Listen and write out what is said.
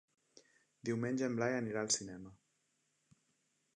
Diumenge en Blai anirà al cinema.